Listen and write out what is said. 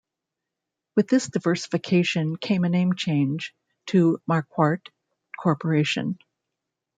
With this diversification came a name change, to Marquardt Corporation.